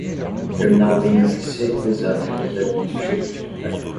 O terminal Linux se recusa a me fazer uma xícara de café.